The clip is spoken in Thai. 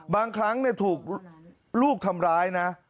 บางครั้งถูกลูกทำร้ายนะ